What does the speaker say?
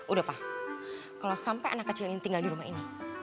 udah pak kalau sampai anak kecil ini tinggal di rumah ini